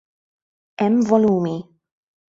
Hemm volumi.